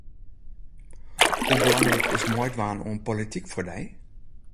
Hoe belangryk is meidwaan oan polityk foar dy?